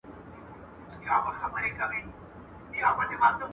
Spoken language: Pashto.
ایا ته د نوي عصر سره بلد یې؟